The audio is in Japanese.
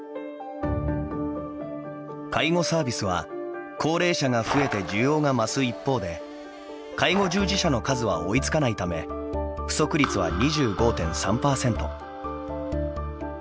介護サービスは高齢者が増えて需要が増す一方で介護従事者の数は追いつかないため不足率は２５．３％。